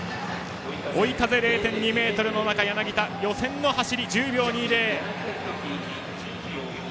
追い風０．２メートルの中柳田、予選の走り１０秒２０。